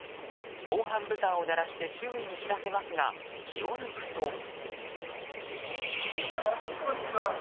防犯ブザーを鳴らして周囲に知らせますが気を抜くと。